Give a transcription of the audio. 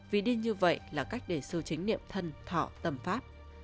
vì đi như vậy là cách để sư chính niệm thân thọ tâm pháp